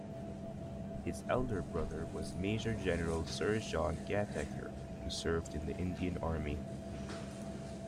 His elder brother was Major-General Sir John Gatacre who served in the Indian Army.